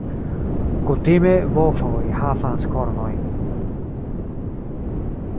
Kutime bovoj havas kornojn.